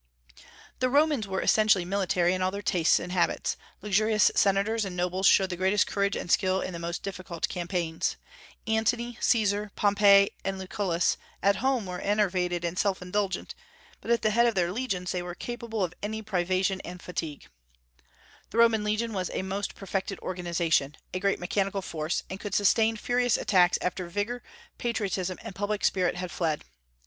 The Romans were essentially military in all their tastes and habits. Luxurious senators and nobles showed the greatest courage and skill in the most difficult campaigns. Antony, Caesar, Pompey, and Lucullus at home were enervated and self indulgent, but at the head of their legions they were capable of any privation and fatigue. The Roman legion was a most perfect organization, a great mechanical force, and could sustain furious attacks after vigor, patriotism, and public spirit had fled.